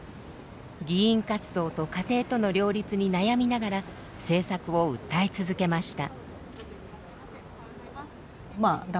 議員活動と家庭との両立に悩みながら政策を訴え続けました。